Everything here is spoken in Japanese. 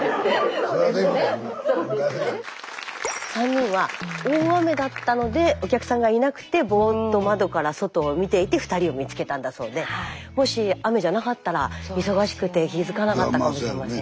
３人は大雨だったのでお客さんがいなくてボーッと窓から外を見ていて２人を見つけたんだそうでもし雨じゃなかったら忙しくて気付かなかったかもしれません。